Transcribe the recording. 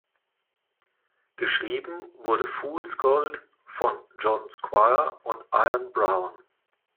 Geschrieben wurde Fools Gold von John Squire und Ian Brown.